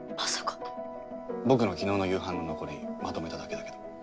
僕の昨日の夕飯の残りまとめただけだけど。